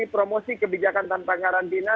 promosi kebijakan tanpa karantina